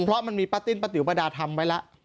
เพราะมันมีประตินประติอุบัดาธรรมไว้แล้ว